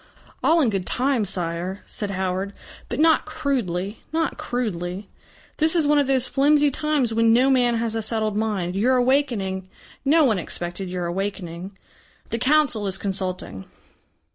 "All in good time, Sire," said Howard. "But not crudely, not crudely. This is one of those flimsy times when no man has a settled mind. Your awakening no one expected your awakening. The Council is consulting."